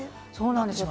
そうなんです。